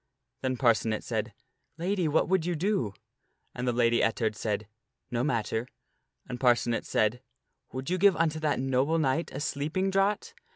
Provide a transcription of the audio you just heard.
Then Parcenet said, " Lady, what would you do?" And the plans against Lady Ettard said, " No matter." And Parcenet said, " Would you give unto that noble knight a sleeping draught?"